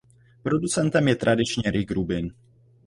Producentem je tradičně Rick Rubin.